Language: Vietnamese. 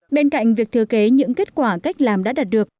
bên cạnh việc thừa kế những kết quả cách làm đã đạt được